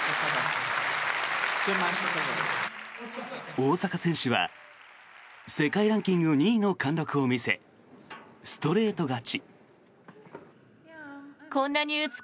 大坂選手は世界ランキング２位の貫禄を見せストレート勝ち。